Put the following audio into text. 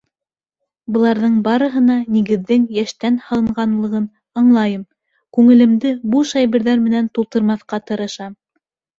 Быларҙың барыһына нигеҙҙең йәштән һалынғанлығын аңлайым, күңелемде буш әйберҙәр менән тултырмаҫҡа тырышам.